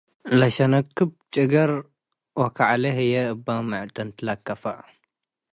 ለሸነክብ፡ ጭገር ወከዕሌ ህዬ Ab ምዕጥን ትላክፉ ።